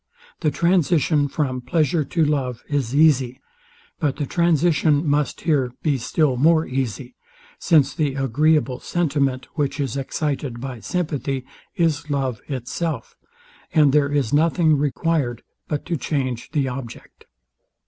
The transition from pleasure to love is easy: But the transition must here be still more easy; since the agreeable sentiment, which is excited by sympathy, is love itself; and there is nothing required but to change the object.